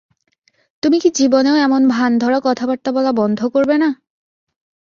তুমি কি জীবনেও এমন ভান ধরা কথাবার্তা বলা বন্ধ করবে না?